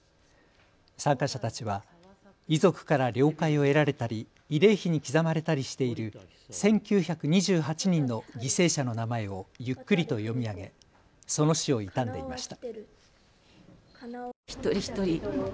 参加者たちは遺族から了解を得られたり慰霊碑に刻まれたりしている１９２８人の犠牲者の名前をゆっくりと読み上げその死を悼んでいました。